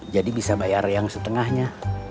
jadi bisa bayar yang setengahnya